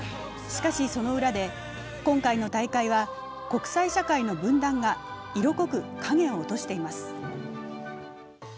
しかし、その裏で今回の大会は国際社会の分断が色濃く影を落としています。